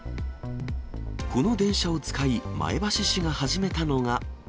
この電車を使い、前橋市が始めたのが。